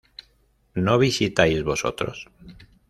¿No visitáis vosotros?